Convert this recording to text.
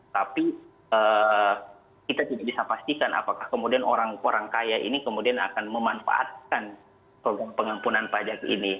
tapi kita tidak bisa pastikan apakah kemudian orang orang kaya ini kemudian akan memanfaatkan program pengampunan pajak ini